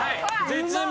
絶妙。